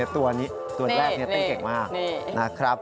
ตัวนี้ตัวแรกนี้เต้นเก่งมาก